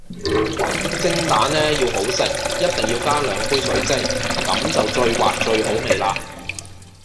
蒸蛋呢要好食一定要加兩杯水蒸，咁就最滑最好味喇